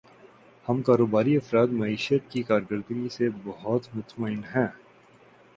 ہم کاروباری افراد معیشت کی کارکردگی سے بہت مطمئن ہیں